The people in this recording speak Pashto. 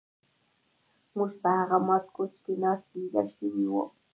موږ په هغه مات کوچ کې ناست ویده شوي وو